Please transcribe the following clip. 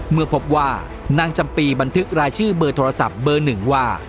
เมื่อพบว่านางจำปีบันทึกรายชื่อเบอร์โทรศัพท์เบอร์หนึ่งว่า